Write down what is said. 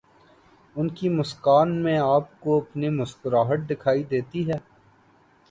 ان کی مسکان میں آپ کو اپنی مسکراہٹ دکھائی دیتی ہے۔